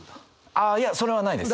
あっいやそれはないです！